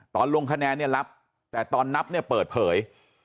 ลงคะแนนเนี่ยรับแต่ตอนนับเนี่ยเปิดเผย